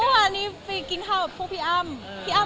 อเรนนี่เติมอเรนนี่เติม